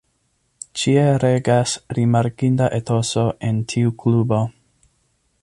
Ĉie regas rimarkinda etoso en tiu klubo.